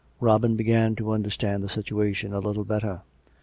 Robin began to understand the situation a little better.